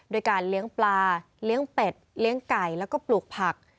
ด้วยการเลี้ยงปลาเลี้ยงเป็ดเลี้ยงไก่แล้วก็ปลูกผัก